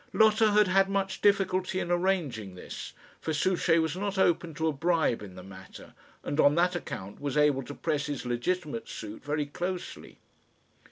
Lotta had had much difficulty in arranging this; for Souchey was not open to a bribe in the matter, and on that account was able to press his legitimate suit very closely.